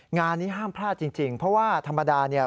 งานนี้ห้ามพลาดจริงเพราะว่าธรรมดาเนี่ย